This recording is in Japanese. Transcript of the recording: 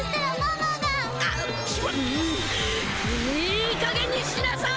いいかげんにしなさい！